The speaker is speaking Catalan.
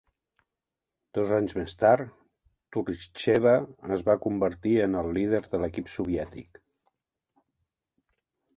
Dos anys més tard, Tourischeva es va convertir en el líder de l'equip soviètic.